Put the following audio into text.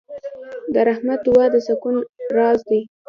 د رحمت دعا د سکون راز دی.